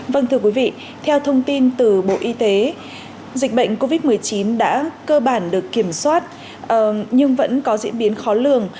vâng thưa quý vị theo thông tin từ bộ y tế dịch bệnh covid một mươi chín đã cơ bản được kiểm soát nhưng vẫn có diễn biến khó lường